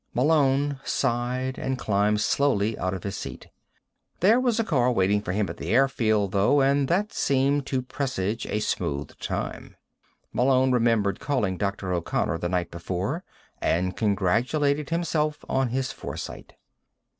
Malone sighed and climbed slowly out of his seat. There was a car waiting for him at the airfield, though, and that seemed to presage a smooth time; Malone remembered calling Dr. O'Connor the night before, and congratulated himself on his foresight.